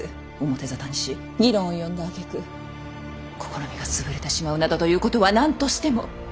表沙汰にし議論を呼んだあげく試みが潰れてしまうなどということは何としても避けたいのです。